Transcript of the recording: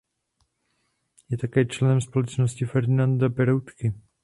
Je také členem Společnosti Ferdinanda Peroutky.